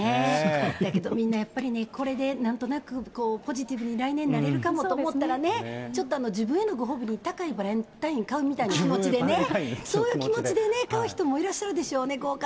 だけどみんなやっぱりね、これでなんとなく、ポジティブに来年なれるかもと思ったらね、ちょっと、自分へのご褒美に高いバレンタイン買うみたいな気持ちでね、そういう気持ちでね、買う人もいらっしゃるでしょうね。